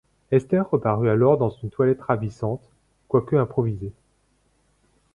Esther reparut alors dans une toilette ravissante, quoique improvisée.